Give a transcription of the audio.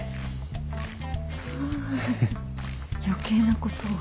ああ余計なことを。